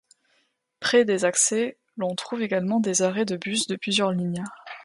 Près des accès l'on trouve également des arrêts de bus de plusieurs lignes.